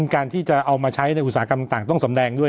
การที่จะเอามาใช้ในอุตสาหกรรมต่างต้องสำแดงด้วย